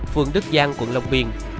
phường đức giang quận long biên